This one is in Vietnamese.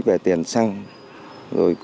về tiền xăng